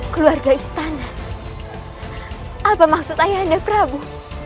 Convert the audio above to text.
keluarga istana apa maksud ayahanda prabu